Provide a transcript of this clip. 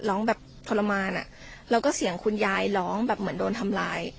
ร้องแบบทรมานอ่ะแล้วก็เสียงคุณยายร้องแบบเหมือนโดนทำร้าย